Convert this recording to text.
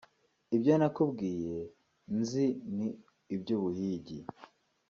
ibyo nakubwiye nzi ni iby’ubuhigi